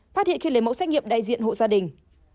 phát hiện khi lấy mẫu xét nghiệm đại diện hộ gia đình